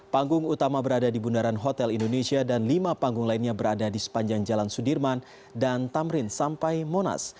panggung utama berada di bundaran hotel indonesia dan lima panggung lainnya berada di sepanjang jalan sudirman dan tamrin sampai monas